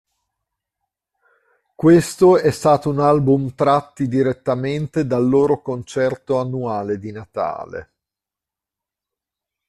Questo è stato un album tratti direttamente dal loro concerto annuale di Natale.